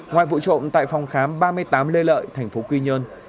ngoài vụ trộm tại phòng khám ba mươi tám lê lợi thành phố quy nhơn